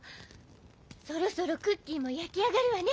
そろそろクッキーもやきあがるわね。